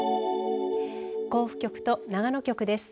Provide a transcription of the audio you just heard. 甲府局と長野局です。